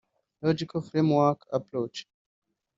logical framework approach